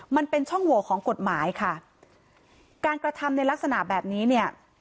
มันเป็นช่องโหวของกฎหมายค่ะการกระทำในลักษณะแบบนี้เนี่ย